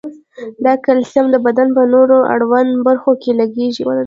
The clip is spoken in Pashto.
دا کلسیم د بدن په نورو اړوندو برخو کې لګیږي.